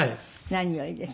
何よりです。